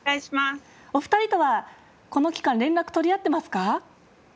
お二人とはこの期間連絡取り合っていますか？